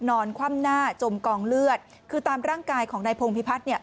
คว่ำหน้าจมกองเลือดคือตามร่างกายของนายพงพิพัฒน์เนี่ย